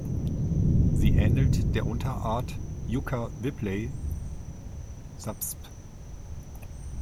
Sie ähnelt der Unterart "Yucca whipplei" subsp.